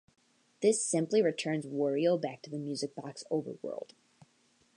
This simply returns Wario back to the music box overworld.